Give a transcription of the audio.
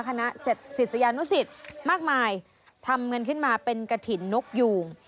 คณะศิษยานุสิตมากมายทำเงินขึ้นมาเป็นกระถิ่นนกยูง